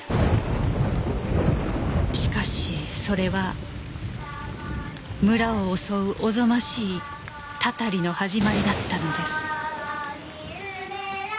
しかしそれは村を襲うおぞましいたたりの始まりだったのです